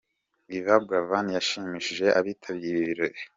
Yvan Buravan yashimishije abitabiriye ibi birori.